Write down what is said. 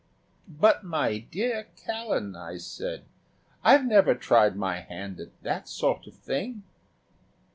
"But, my dear Callan," I said, "I've never tried my hand at that sort of thing."